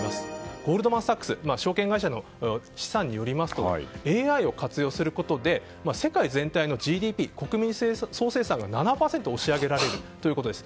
ゴールドマン・サックス証券会社の試算によりますとＡＩを活用することで世界全体のＧＤＰが７％押し上げられたということです。